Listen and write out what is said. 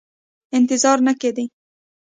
انتظار نه کېدی.